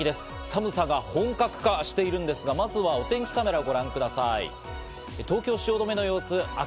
寒さが本格化しているんですが、まずはお天気カメラをご覧ください。